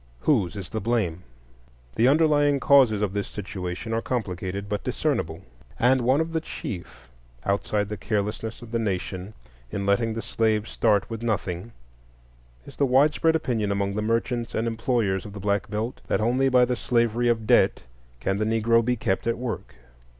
Whose is the blame? The underlying causes of this situation are complicated but discernible. And one of the chief, outside the carelessness of the nation in letting the slave start with nothing, is the widespread opinion among the merchants and employers of the Black Belt that only by the slavery of debt can the Negro be kept at work.